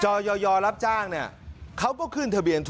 จอยอยรับจ้างเนี่ย